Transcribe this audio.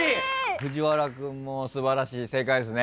藤原君も素晴らしい正解ですね。